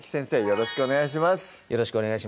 よろしくお願いします